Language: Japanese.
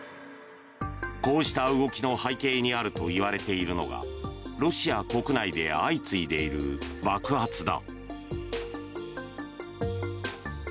こうした動きの背景にあるといわれているのがロシア国内で相次いでいる爆発だ。